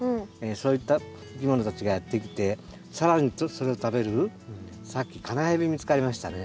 そういったいきものたちがやって来て更にそれを食べるさっきカナヘビ見つかりましたね。